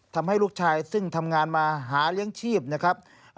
ทำให้ลูกชายซึ่งทำงานมาหาเลี้ยงชีพนะครับ